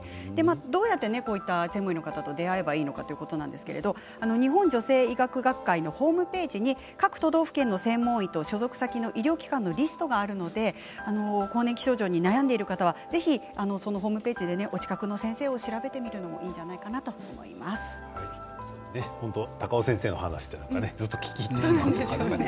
どうやってこういった専門医の方と出会えればいいのかということですが日本女性医学学会のホームページに各都道府県の専門医と所属先の医療機関のリストがあるので更年期症状に悩んでいる方はぜひそのホームページでお近くの先生を調べてみるのも高尾先生の話ってずっと聞き入ってしまいますね。